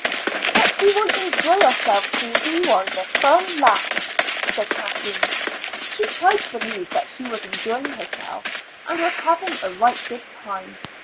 "But we will enjoy ourselves, Susy, while the fun lasts," said Kathleen. She tried to believe that she was enjoying herself and was having a right good time.